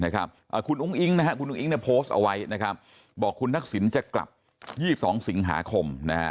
คุณอุ้งอิ้งโพสต์เอาไว้บอกคุณนักศึนจะกลับ๒๒สิงหาคม